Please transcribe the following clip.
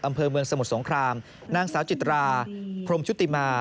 อำเภอเมืองสมุทรสงครามนางสาวจิตราพรมชุติมา